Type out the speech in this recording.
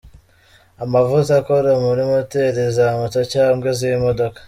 Amavuta akora muri moteri za moto cyangwa z’imodoka.